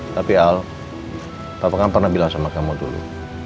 tapi al papa kan pernah bilang sama kamu dulu